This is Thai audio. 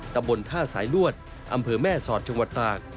ตำบลท่าสายลวดอำเภอแม่สอดจังหวัดตาก